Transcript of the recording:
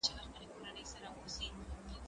زه به سبزیحات وچولي وي؟!